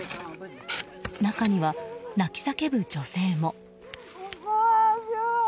中には、泣き叫ぶ女性も。